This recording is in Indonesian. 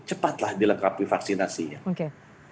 cepatlah dilengkapi vaksinasi oke